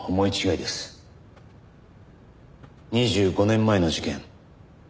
２５年前の事件